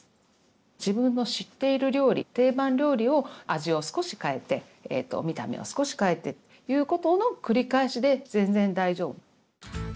自分の知っている料理定番料理を味を少し変えて見た目を少し変えてっていうことの繰り返しで全然大丈夫。